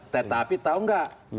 tetapi tau nggak